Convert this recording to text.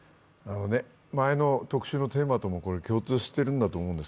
前の特集のテーマとも共通しているんだと思います。